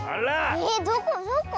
えっどこどこ？